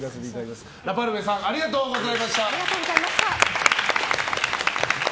ラパルフェさんありがとうございました。